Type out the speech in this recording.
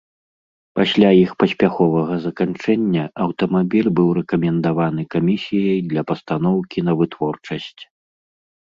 Пасля іх паспяховага заканчэння, аўтамабіль быў рэкамендаваны камісіяй для пастаноўкі на вытворчасць.